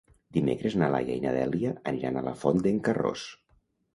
Dimecres na Laia i na Dèlia aniran a la Font d'en Carròs.